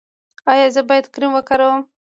ایا زه باید کریم وکاروم؟